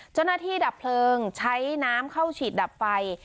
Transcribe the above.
เจ้าหน้าที่ดับเพลิงใช้น้ำเข้าฉีดดับไฟ